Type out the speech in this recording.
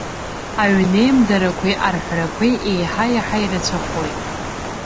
Аҩнеимдарақәеи арҳәрақәеи еиҳа-еиҳа ирацәахоит.